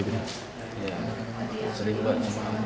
ya sering banget